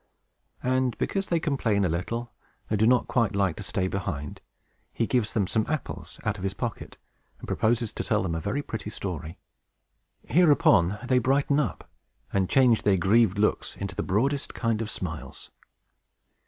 And because they complain a little, and do not quite like to stay behind, he gives them some apples out of his pocket, and proposes to tell them a very pretty story. Hereupon they brighten up, and change their grieved looks into the broadest kind of smiles.